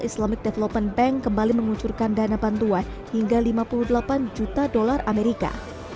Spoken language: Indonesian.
islamic development bank kembali mengucurkan dana bantuan hingga lima puluh delapan juta dolar amerika